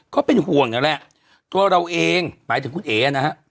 ก็เป็นห่วงนั่นแหละตัวเราเองหมายถึงคุณเอ๋นะฮะ